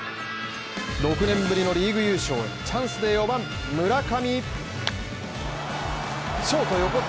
６年ぶりのリーグ優勝へチャンスで４番・村上。